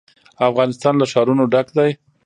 افغانستان له ښارونه ډک دی.